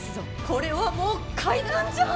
これはもう怪談じゃあ！